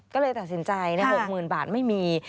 ก็เลยตัดสินใจใน๖๐๐๐บาทไม่มี